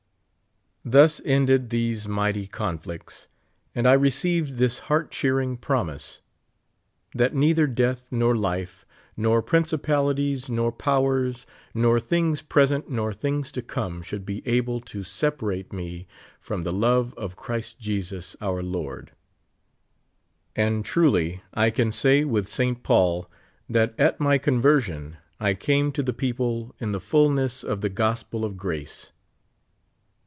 Thus ended tliese mighty conflicts, and I received this heart cheering promise :" That neither death, nor life, nor principalities, nor powers, nor things present, nor things to come should ])e able to separate me from the love of Christ Jesus our Lord.'' And truly, T can say with St. Paul, that at m}' con version I came to the people in the fullness of the gospel of grace.